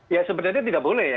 ya sebenarnya tidak boleh ya